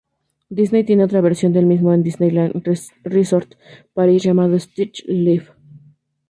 Disney tiene otra versión del mismo, en Disneyland Resort Paris, llamado "Stitch Live!".